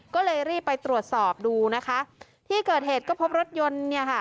ก็เลยรีบไปตรวจสอบดูนะคะที่เกิดเหตุก็พบรถยนต์เนี่ยค่ะ